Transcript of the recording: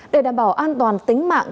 để đảm bảo an toàn tính mạng